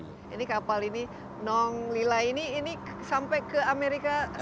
ini kapal ini non lila ini sampai ke amerika selatan ya